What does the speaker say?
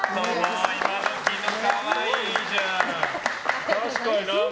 今時の可愛いじゃん！